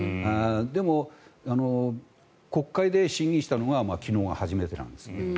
でも、国会で審議したのは昨日が初めてなんですね。